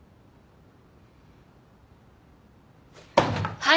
はい。